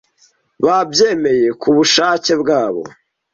babyemeye ku bushake bwabo